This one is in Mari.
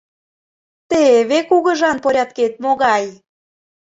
Теве кугыжан порядкет могай!